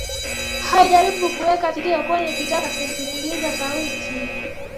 Alijaribu kuweka sikio kwenye kitasa kusikilizia sauti